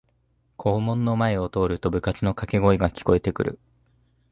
校門の前を通ると部活のかけ声が聞こえてくる